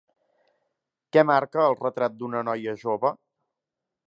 Què marca el Retrat d'una noia jove?